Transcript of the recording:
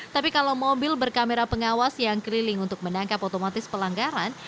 tapi kalau mobil berkamera pengawas yang keliling untuk menangkap otomatis pelanggaran